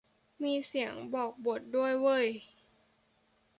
มีเสียงบอกบทด้วยเว่ย